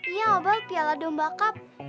iya bal piala domba kak